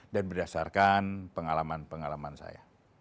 dan berdasarkan pengalaman pengalaman saya